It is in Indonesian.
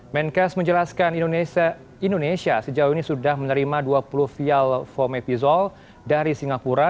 menkes menjelaskan indonesia sejauh ini sudah menerima dua puluh vial fomepizol dari singapura